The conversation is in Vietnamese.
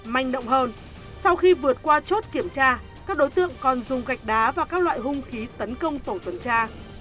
manh động hơn sau khi vượt qua chốt kiểm tra các đối tượng còn dùng gạch đá và các loại hung khí tấn công tổ tuần tra